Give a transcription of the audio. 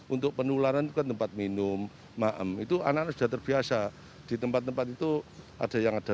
untuk penularan ke tempat minum itu anak anak sudah terbiasa di tempat tempat itu ada yang ada